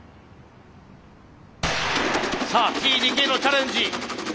さあＴ・ＤＫのチャレンジ。